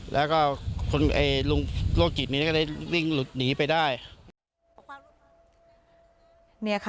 แล้วก็คุณลุงโรคจิตนี้ก็ได้วิ่งหลุดหนีไปได้